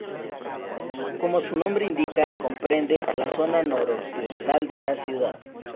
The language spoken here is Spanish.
Como su nombre indica, comprende la zona noroccidental de la ciudad.